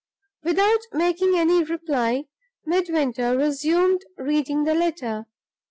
Without making any reply, Midwinter resumed reading the letter.